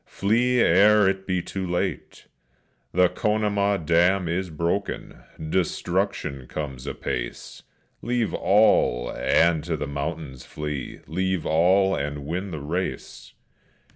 flee, ere it be too late! The Conemaugh dam is broken, destruction comes apace! Leave all and to the mountains flee; leave all and win the race!"